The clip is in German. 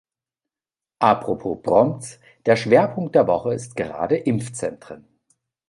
Apropos Prompts, der Schwerpunkt der Woche ist gerade Impfzentren.